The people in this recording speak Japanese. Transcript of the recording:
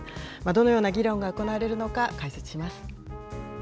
どのような議論が行われるのか、解説します。